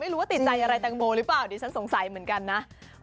หรือว่าติดใจอะไรแตงโมหรือเปล่าดิฉันสงสัยเหมือนกันนะ